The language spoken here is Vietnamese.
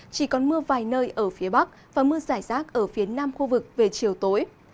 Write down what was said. chỉ còn mưa vài nơi ở phía bắc và mưa rải rác ở phía nam khu vực về chiều tối